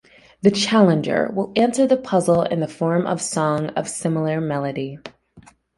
The challenger will answer the puzzle in the form of song of similar melody.